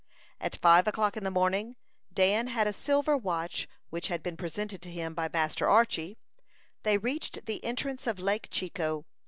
At five o'clock in the morning Dan had a silver watch which had been presented to him by Master Archy they reached the entrance of Lake Chicot.